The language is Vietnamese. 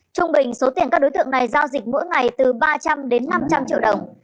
trung bình số tiền các đối tượng này giao dịch mỗi ngày từ ba trăm linh đến năm trăm linh triệu đồng